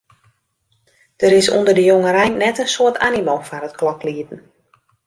Der is ûnder de jongerein net in soad animo foar it kloklieden.